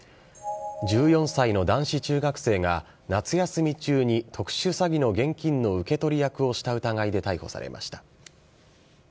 １４歳の男子中学生が、夏休み中に特殊詐欺の現金の受け取り役をした疑いで逮捕されました。